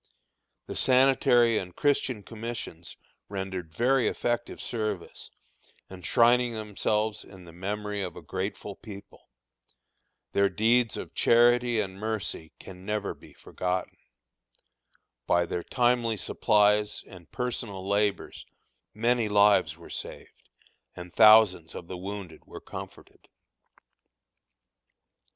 The Sanitary and Christian Commissions rendered very effective service, enshrining themselves in the memory of a grateful people. Their deeds of charity and mercy can never be forgotten. By their timely supplies and personal labors many lives were saved, and thousands of the wounded were comforted.